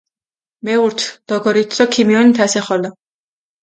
მეურთ, დოგორით დო ქიმიონით ასე ხოლო.